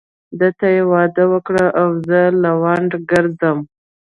ده ته يې واده وکړ او زه لونډه ګرځم.